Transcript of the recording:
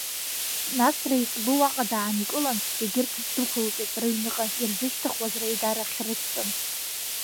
Нас реиҵбы уаҟа даанкылан, егьырҭ дәықәылҵеит рыҩныҟа, ирзышьҭыхуаз реидара ахьы рыцҵаны.